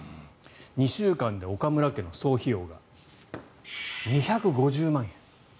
２週間で岡村家の総費用が２５０万円。